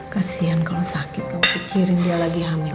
kasian kalau sakit kamu pikirin dia lagi hapus